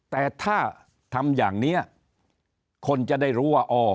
แต่ถ้าทำอย่างนี้คนจะได้รู้ว่าอ๋อ